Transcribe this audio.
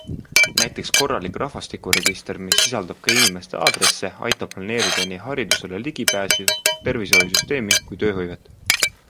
Näiteks korralik rahavastikuregister, mis sisaldab ka inimeste aadresse, aitab planeerida nii haridusele ligipääsu, tervishoiusüsteemi kui tööhõivet.